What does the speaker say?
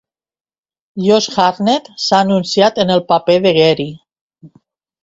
Josh Hartnett s'ha anunciat en el paper de Gary.